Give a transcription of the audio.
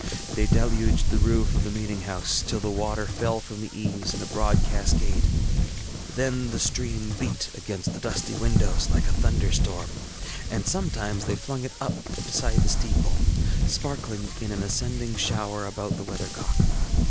They deluged the roof of the meeting house, till the water fell from the eaves in a broad cascade; then the stream beat against the dusty windows like a thunder storm; and sometimes they flung it up beside the steeple, sparkling in an ascending shower about the weathercock.